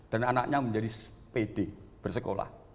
dan anaknya menjadi pd bersekolah